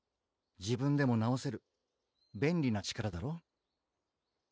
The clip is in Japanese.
自分でもなおせる便利な力だろ？